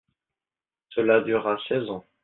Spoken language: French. Cela dura seize ans.